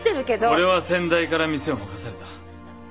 俺は先代から店を任された。